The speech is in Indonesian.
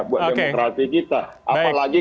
buat demokrasi kita apalagi